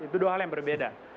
itu dua hal yang berbeda